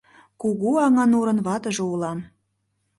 Кугу Аҥанурын ватыже улам.